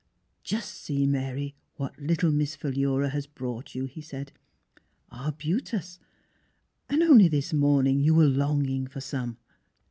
'' Just see, Mary, what little Miss Philura has brought you !" he said ;—'' Arbutus !— and only this morning you were longing for some."